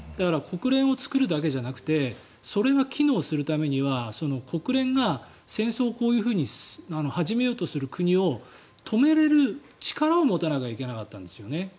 国連を作るだけじゃなくてそれが機能するためには国連が戦争を始めようとする国を止められる力を持たなきゃいけなかったんですよね。